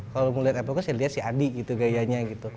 kalau mau lihat apple coast ya lihat si adi gitu gayanya